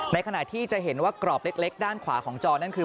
ขณะที่จะเห็นว่ากรอบเล็กด้านขวาของจอนั่นคือ